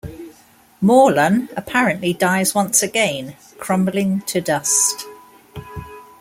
Morlun apparently dies once again, crumbling to dust.